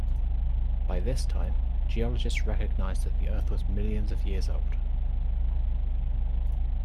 By this time, geologists recognised that the Earth was millions of years old.